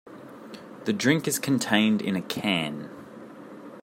The drink is contained in a can.